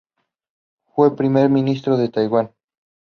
Fue Primer Ministro de Taiwán.